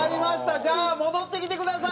じゃあ戻ってきてください飯塚さん！